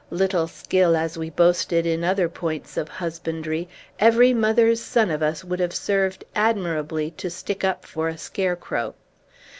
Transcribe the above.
Little skill as we boasted in other points of husbandry, every mother's son of us would have served admirably to stick up for a scarecrow.